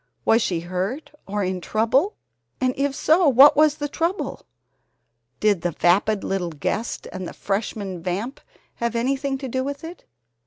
Was she hurt or in trouble, and if so, what was the trouble? Did the vapid little guest and the Freshman Vamp have anything to do with it?